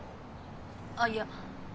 あっいや